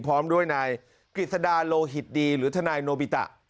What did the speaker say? พร้อมด้วยนายกฤษดาโลหิตดีหรือทนายโนบิตะ